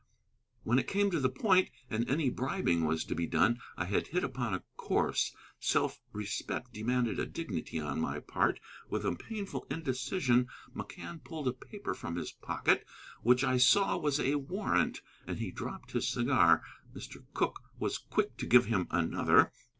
When it came to the point, and any bribing was to be done, I had hit upon a course. Self respect demanded a dignity on my part. With a painful indecision McCann pulled a paper from his pocket which I saw was a warrant. And he dropped his cigar. Mr. Cooke was quick to give him another.